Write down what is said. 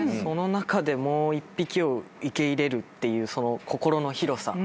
その中でもう１匹を受け入れるっていう心の広さ。